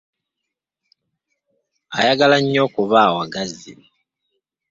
Ayagala nnyo okuba awagazi.